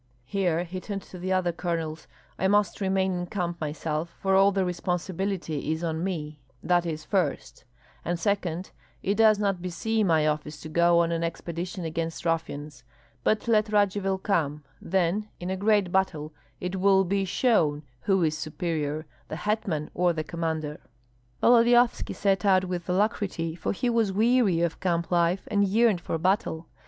Here he turned to the other colonels: "I must remain in camp myself, for all the responsibility is on me, that is, first; and second, it does not beseem my office to go on an expedition against ruffians. But let Radzivill come, then in a great battle it will be shown who is superior, the hetman or the commander." Volodyovski set out with alacrity, for he was weary of camp life and yearned for battle.